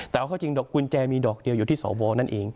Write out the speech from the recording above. แต่เอาเข้าจริงดอกกุญแจมีดอกเดียวอยู่ที่สวนั่นเอง